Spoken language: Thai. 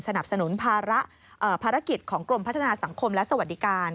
สนุนภาระภารกิจของกรมพัฒนาสังคมและสวัสดิการ